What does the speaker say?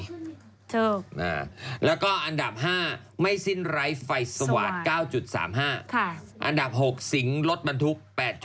ถูกแล้วก็อันดับ๕ไม่สิ้นไร้ไฟสวาสตร์๙๓๕อันดับ๖สิงรถบรรทุก๘๐